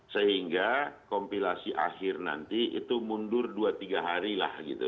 sehingga kompilasi akhir nanti itu mundur dua tiga hari lah gitu